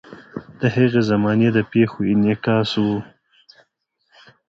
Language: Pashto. د هغې زمانې د پیښو انعکاس ګورو.